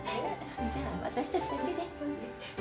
じゃ私たちだけで。